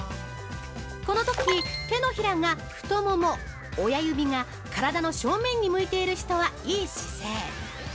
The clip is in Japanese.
このとき、手のひらが太もも親指が体の正面に向いている人はいい姿勢！